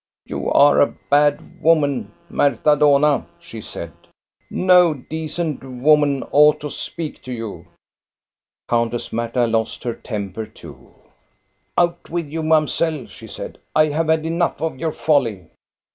" You are a bad woman, Marta Dohna/' she said. " No decent woman ought to speak to you." Countess Marta lost her temper too. " Out with you, mamselle !" she said. " I have had enough of your folly."